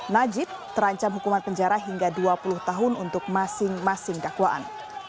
najib terancam hukuman penjara hingga dua puluh tahun untuk masing masing dakwaan